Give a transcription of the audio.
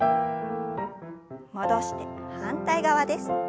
戻して反対側です。